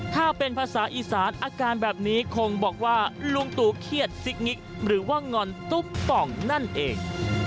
ถ้าเป็นภาษาอีสานอาการแบบนี้คงบอกว่าลุงตู่เครียดซิกงิกหรือว่างอนตุ๊บป่องนั่นเอง